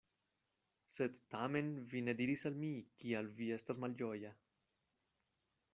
Sed tamen vi ne diris al mi, kial vi estas malĝoja.